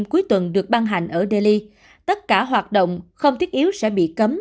trong đêm cuối tuần được ban hành ở delhi tất cả hoạt động không thiết yếu sẽ bị cấm